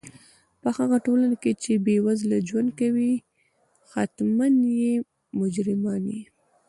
په هغه ټولنه کښي، چي بېوزله ژوند کوي، ښتمن ئې مجرمان يي.